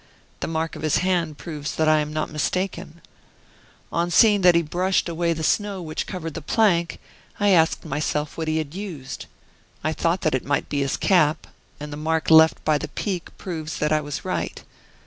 The mark of his hand proves that I am not mistaken. On seeing that he had brushed away the snow which covered the plank, I asked myself what he had used; I thought that it might be his cap, and the mark left by the peak proves that I was right.